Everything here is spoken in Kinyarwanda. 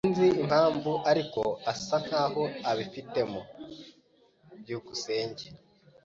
Sinzi impamvu, ariko asa nkaho abifitemo. byukusenge